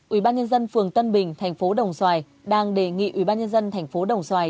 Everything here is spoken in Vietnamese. ủy ban nhân dân phường tân bình thành phố đồng xoài đang đề nghị ủy ban nhân dân thành phố đồng xoài